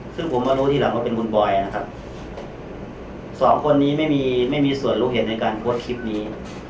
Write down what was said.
ซึ่งผมมารู้ทีหลังว่าเป็นคุณบอยนะครับสองคนนี้ไม่มีไม่มีส่วนรู้เห็นในการโพสต์คลิปนี้